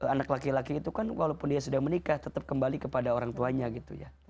anak laki laki itu kan walaupun dia sudah menikah tetap kembali kepada orang tuanya gitu ya